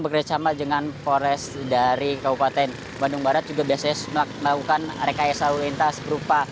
bergerak sama dengan forest dari kabupaten bandung barat juga biasanya melakukan rekayasa lintas berupa